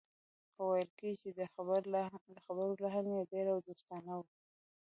خو ویل کېږي چې د خبرو لحن یې ډېر دوستانه و